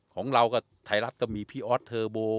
ของเรากับไทยรัฐก็มีพี่ออสเทอร์โบ